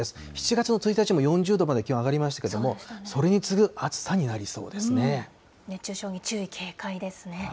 ７月の１日も４０度まで気温上がりましたけれども、それに次ぐ暑熱中症に注意、警戒ですね。